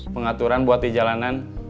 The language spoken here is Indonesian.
pengaturan buat di jalanan